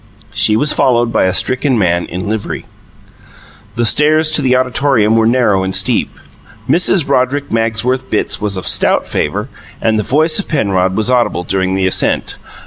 She was followed by a stricken man in livery. The stairs to the auditorium were narrow and steep; Mrs. Roderick Magsworth Bitts was of a stout favour; and the voice of Penrod was audible during the ascent.